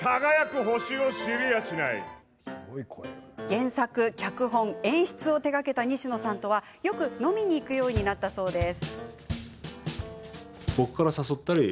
原作、脚本、演出を手がけた西野さんとはよく飲みに行くようになったそうです。